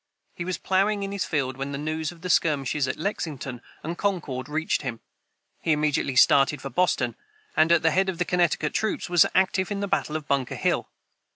He was ploughing in his field when the news of the skirmishes at Lexington and Concord reached him. He immediately started for Boston, and, at the head of Connecticut troops, was active in the battle of Bunker Hill.